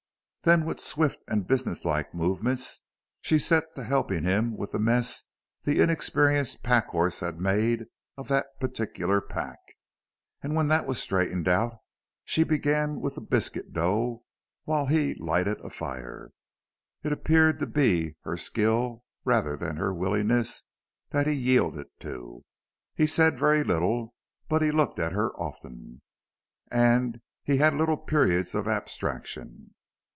Then with swift and business like movements she set to helping him with the mess the inexperienced pack horse had made of that particular pack. And when that was straightened out she began with the biscuit dough while he lighted a fire. It appeared to be her skill, rather than her willingness, that he yielded to. He said very little, but he looked at her often. And he had little periods of abstraction.